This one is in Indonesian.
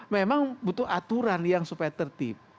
memang butuh aturan yang supaya tertib